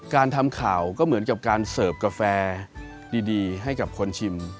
การทำข่าวก็เหมือนกับการเสิร์ฟกาแฟดีให้กับคนชิม